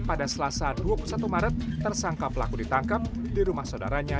pada selasa dua puluh satu maret tersangka pelaku ditangkap di rumah saudaranya